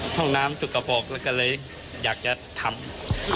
ห้องน้ำสุขกระปกแล้วก็เลยอยากจะทำ